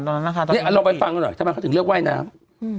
แล้วเราไปติดมานี่ถ้าเปล่าเขาถึงเลือกว่ายน้ำ